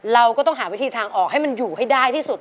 เราก็ต้องหาวิธีทางออกให้มันอยู่ให้ได้ที่สุด